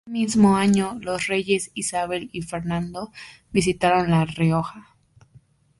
Este mismo año los reyes Isabel y Fernando visitaron La Rioja.